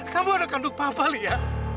kamu anak kandung papa lia